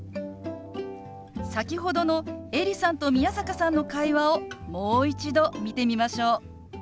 先ほどのエリさんと宮坂さんの会話をもう一度見てみましょう。